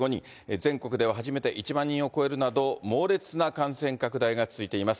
全国では初めて１万人を超えるなど、猛烈な感染拡大が続いています。